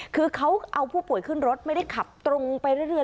คือเขาเอาผู้ป่วยขึ้นรถไม่ได้ขับตรงไปเรื่อย